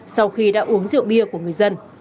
sau khi đã uống rượu bia của người dân